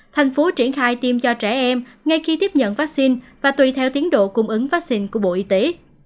thành phố triển khai tiêm cho trẻ em ngay khi tiếp nhận vaccine và tùy theo tiến độ cung ứng vaccine của bộ y tế